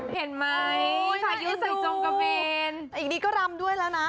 เห็นไหมพายุใส่จงกระเวนอีกดีก็รำด้วยแล้วนะ